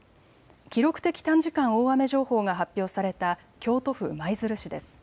記録的短時間大雨情報が発表された京都府舞鶴市です。